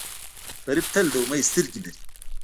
غریب تل د امید سترګې لري